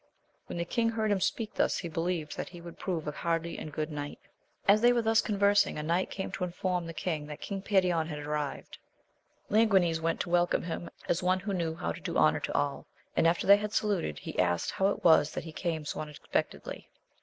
When the king heard him speak thus, he believed that he would prove a hardy and good knight. As they were thus conversing, a knight came to inform the king, that King Perion was arrived. Languines went to welcome him as one who knew how to do honour to all ; and, after they had saluted, he asked how it was that he came so unexpectedly.